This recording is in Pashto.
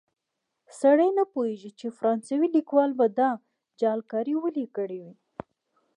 سړی نه پوهېږي چې فرانسوي لیکوال به دا جعلکاري ولې کړې وي.